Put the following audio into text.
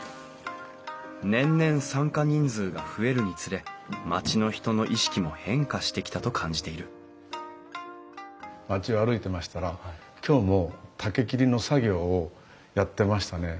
年々参加人数が増えるにつれ町の人の意識も変化してきたと感じている町を歩いてましたら今日も竹切りの作業をやってましたね。